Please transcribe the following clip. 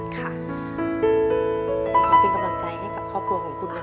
ขอเป็นกำลังใจให้กับครอบครัวของคุณค่ะ